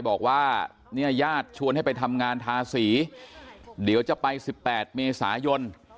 บอกว่าเนี่ยญาติชวนให้ไปทำงานทาสีเดี๋ยวจะไป๑๘เมษายน